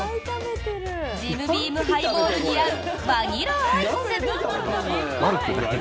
ジムビームハイボールに合うバニラアイス。